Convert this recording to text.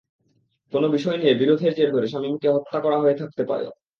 কোনো বিষয় নিয়ে বিরোধের জের ধরে শামীমকে হত্যা করা হয়ে থাকতে পারে।